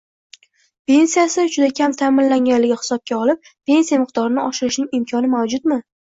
pensiyasi juda kam tayinlanganligi hisobga olib pensiya miqdorini oshirishning imkoni mavjudmi?